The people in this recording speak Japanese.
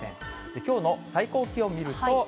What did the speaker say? きょうの最高気温見ると。